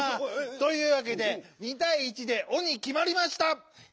というわけで２たい１で「お」にきまりました！